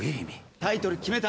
タイトル決めた。